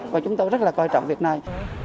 và chúng tôi rất là quan trọng việc này